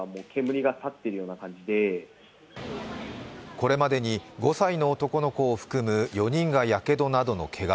これまでに５歳の男の子を含む４人がやけどなどのけが。